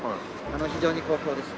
非常に好評でして。